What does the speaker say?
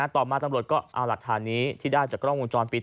ต่อมาตำรวจก็เอาหลักฐานนี้ที่ได้จากกล้องวงจรปิด